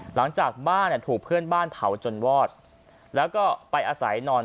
หลังจากบ้านถูกเพื่อนบ้านเผาจนวอดแล้วก็ไปอาศัยนอน